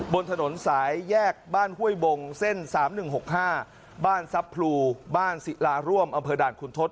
บนถนนสายแยกบ้านห้วยบงเส้น๓๑๖๕บ้านทรัพย์พลูบ้านศิลาร่วมอำเภอด่านคุณทศ